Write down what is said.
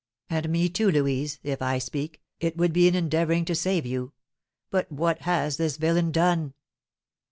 "And me too, Louise, if I speak, it would be in endeavouring to save you. But what has this villain done?"